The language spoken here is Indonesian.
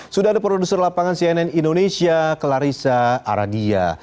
sudah ada produser lapangan cnn indonesia clarissa aradia